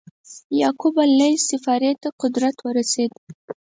یعقوب اللیث صفاري ته قدرت ورسېد.